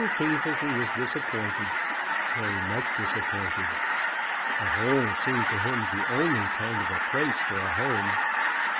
Kingfisher was disappointed, very much disappointed. A hole seemed to him the only kind of a place for a home.